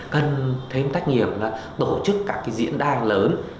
cần thêm tách nghiệm là tổ chức các diễn đàn lớn